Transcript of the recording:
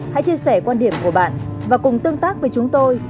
hãy chia sẻ quan điểm của bạn và cùng tương tác với chúng tôi